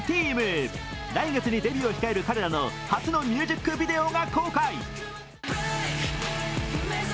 来月にデビューを控える彼らの初のミュージックビデオが公開。